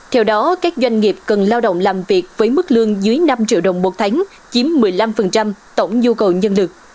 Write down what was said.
theo đó các doanh nghiệp cần lao động làm việc với mức lương dưới năm triệu đồng một tháng chiếm một mươi năm tổng nhu cầu nhân lực